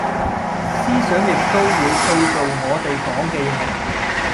思想亦都會塑造我地講嘅野